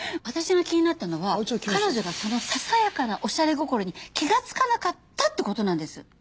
私が気になったのは彼女がそのささやかなおしゃれ心に気がつかなかったって事なんです。